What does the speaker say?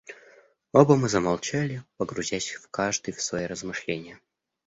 Оба мы замолчали, погрузясь каждый в свои размышления.